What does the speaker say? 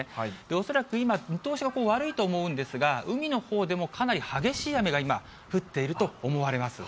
恐らく今、見通しが悪いと思うんですが、海のほうでもかなり激しい雨が今、降っていると思われます。